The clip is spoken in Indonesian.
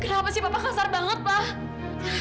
kenapa sih bapak kasar banget pak